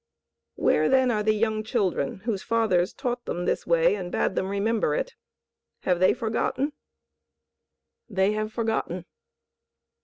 "Where then are the young children whose fathers taught them this way and bade them remember it. Have they forgotten?" "They have forgotten."